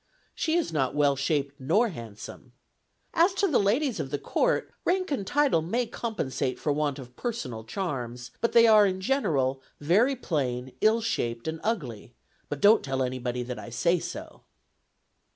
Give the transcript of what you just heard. She is not well shaped nor handsome. As to the ladies of the Court, rank and title may compensate for want of personal charms; but they are, in general, very plain, ill shaped, and ugly; but don't tell anybody that I say so."